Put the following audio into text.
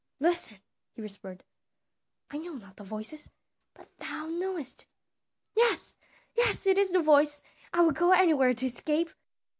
"Listen," he whispered, "I know not the voices, but thou knowest." "Yes, yes! it is the voice; I will go anywhere to escape."